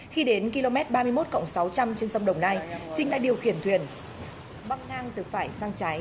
khi đến km ba mươi một sáu trăm linh trên sông đồng nai trinh đã điều khiển thuyền bắp ngang từ phải sang trái